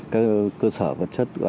các cơ sở vật chất